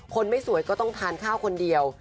ไม่สวยก็ต้องทานข้าวคนเดียว